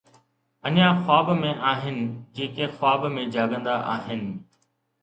اڃا خواب ۾ آهن، جيڪي خواب ۾ جاڳندا آهن